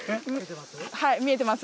見えてます？